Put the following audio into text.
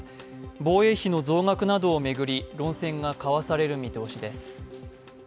防衛費の増額などを巡り論戦が交わされる見通しです。